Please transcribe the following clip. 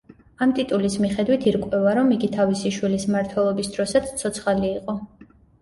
ამ ტიტულის მიხედვით ირკვევა, რომ იგი თავისი შვილის მმართველობის დროსაც ცოცხალი იყო.